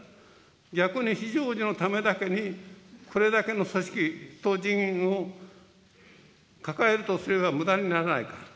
逆に非常時のためだけに、これだけの組織と人員を抱えるとすればむだにならないか。